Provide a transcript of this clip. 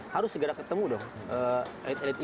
harus segera ketemu dong